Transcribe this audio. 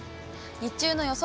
日中の予想